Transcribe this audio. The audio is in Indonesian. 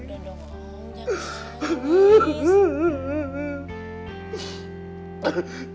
neng jangan lupakan gue